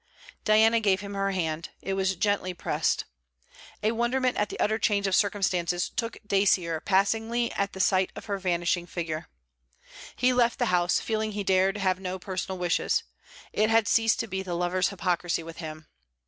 Diana gave him her hand. It was gently pressed. A wonderment at the utter change of circumstances took Dacier passingly at the sight of her vanishing figure. He left the house, feeling he dared have no personal wishes. It had ceased to be the lover's hypocrisy with him.